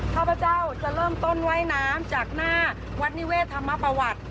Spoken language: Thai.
ข้าพเจ้าจะเริ่มต้นว่ายน้ำจากหน้าวัดนิเวศธรรมประวัติ